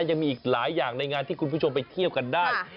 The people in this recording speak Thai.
ยังมีอีกหลายอย่างในงานที่คุณผู้ชมไปเที่ยวกันได้